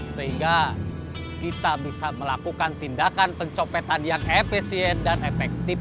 sehingga kita bisa melakukan tindakan pencopetan yang efisien dan efektif